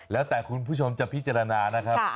แล้วแต่คุณผู้ชมจะพิจารณานะครับ